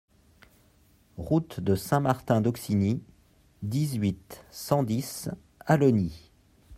Route de Saint-Martin d'Auxigny, dix-huit, cent dix Allogny